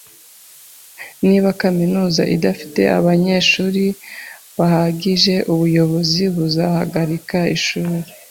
Niba kaminuza idafite abanyeshuri bahagije, ubuyobozi buzahagarika ishuri.